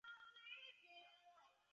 东京音乐大学音乐学部毕业。